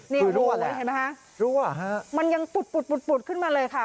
คือรั่วแหละรั่วครับมันยังปุดขึ้นมาเลยค่ะ